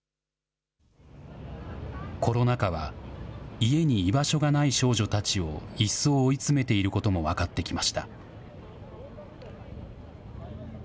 コロナ禍は、家に居場所がない少女たちを一層、追い詰めていることも分かってきました。